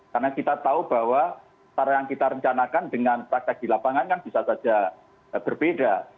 karena kita tahu bahwa cara yang kita rencanakan dengan rakyat di lapangan kan bisa saja berbeda